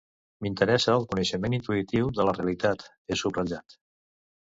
M'interessa el coneixement intuïtiu de la realitat, he subratllat.